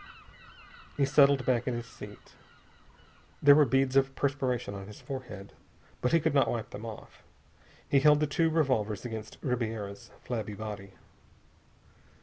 He settled back in his seat. There were beads of perspiration on his forehead, but he could not wipe them off. He held the two revolvers against Ribiera's flabby body.